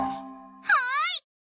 はい！